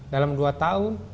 dalam dua tahun